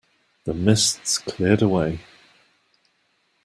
The mists cleared away.